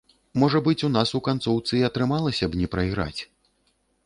Можа быць, у нас у канцоўцы і атрымалася б не прайграць.